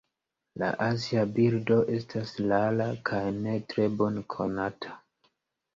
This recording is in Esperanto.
La azia birdo estas rara kaj ne tre bone konata.